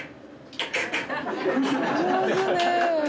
上手ね！